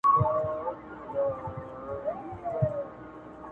ښځي ته د زړه حال مه وايه.